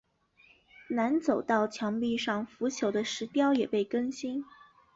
南走道墙壁上腐朽的石雕也被更新。